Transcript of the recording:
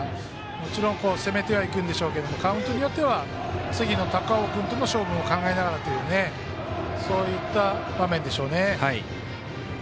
もちろん攻めていくんでしょうけどカウントによっては次の高尾君との勝負も考えながらというそういった場面でしょうね。